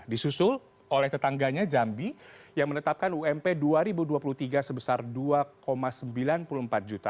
disusul oleh tetangganya jambi yang menetapkan ump dua ribu dua puluh tiga sebesar rp dua sembilan puluh empat juta